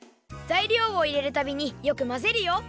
ざいりょうをいれるたびによくまぜるよ。